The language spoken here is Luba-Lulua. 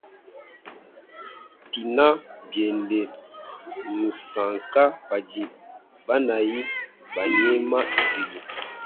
Tina biende ngusanka padi banayi banyema lubilu.